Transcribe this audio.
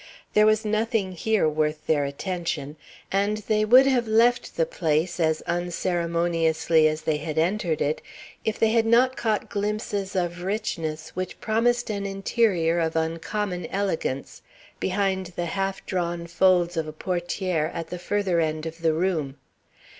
There was nothing here worth their attention, and they would have left the place as unceremoniously as they had entered it if they had not caught glimpses of richness which promised an interior of uncommon elegance, behind the half drawn folds of a portière at the further end of the room.